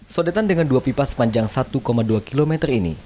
sodetan dengan dua pipa sepanjang satu dua km ini